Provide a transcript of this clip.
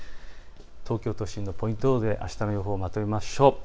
東京都心のポイント予報であしたの予報をまとめましょう。